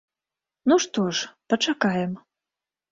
Ну, што ж, пачакаем.